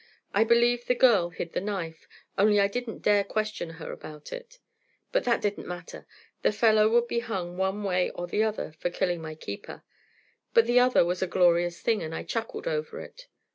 I believe the girl hid the knife, only I didn't dare question her about it. But that didn't matter; the fellow would be hung one way or the other for killing my keeper. But the other was a glorious thing, and I chuckled over it.